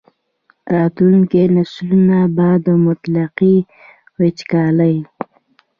راتلونکي نسلونه به د مطلقې وچکالۍ.